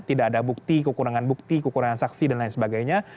tidak ada bukti kekurangan bukti kekurangan saksi dan lain sebagainya